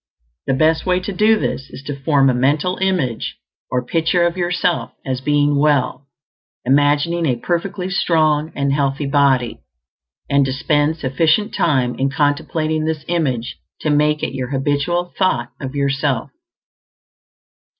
The best way to do this is to form a mental image or picture of yourself as being well, imagining a perfectly strong and healthy body; and to spend sufficient time in contemplating this image to make it your habitual thought of yourself.